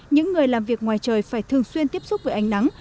những người làm việc ngoài trời phải thường xuyên tiếp xúc với ánh nắng